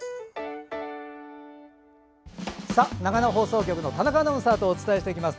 長野放送局の田中アナウンサーとお伝えします。